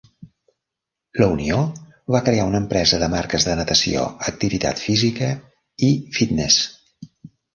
La unió va crear una empresa de marques de natació, activitat física i fitness.